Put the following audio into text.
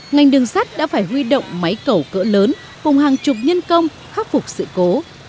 ngành đường sắt đã phải huy động máy cẩu cỡ lớn cùng hàng chục nhân công khắc phục sự cố